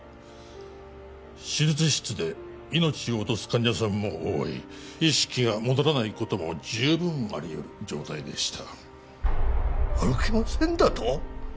手術室で命を落とす患者さんも多い意識が戻らないことも十分ありうる状態でした歩けませんだと？